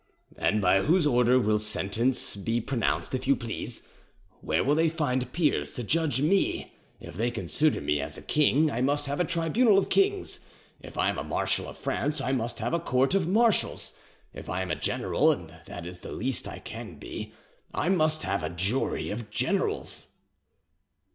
"And by whose order will sentence be pronounced, if you please? Where will they find peers to judge me? If they consider me as a king, I must have a tribunal of kings; if I am a marshal of France, I must have a court of marshals; if I am a general, and that is the least I can be, I must have a jury of generals."